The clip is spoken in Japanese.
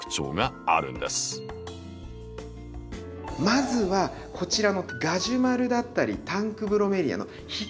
まずはこちらのガジュマルだったりタンクブロメリアの光が好きなもの。